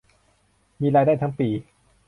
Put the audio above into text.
มีรายได้ทั้งปี